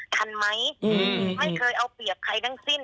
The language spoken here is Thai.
ทันไหมไม่เคยเอาเปรียบใครทั้งสิ้น